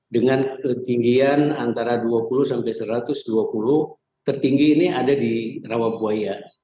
dengan ketinggian antara dua puluh sampai satu ratus dua puluh tertinggi ini ada di rawabuaya